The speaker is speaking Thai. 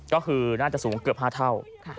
ก็คือน่าจะสูงเกือบ๕เท่า